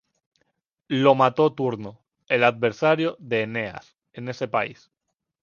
Lo mató Turno, el adversario de Eneas en ese país.